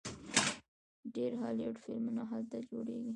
ډیر هالیوډ فلمونه هلته جوړیږي.